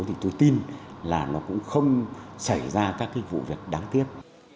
thì tôi tin là nó cũng không xảy ra các cái vụ việc đáng tiếc